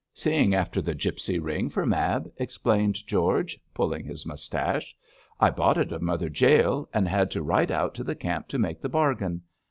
'Seeing after that gipsy ring for Mab,' explained George, pulling his moustache. 'I bought it of Mother Jael, and had to ride out to the camp to make the bargain.